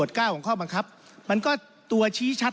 ท่านประธานก็เป็นสอสอมาหลายสมัย